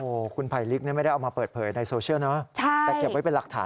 โอ้โฮคุณภัยลิกไม่ได้เอามาเปิดเผยในโซเชียลนะ